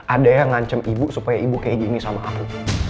ada yang ngancam ibu supaya ibu kayak gini sama aku